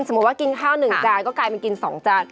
ว่ากินข้าว๑จานก็กลายเป็นกิน๒จาน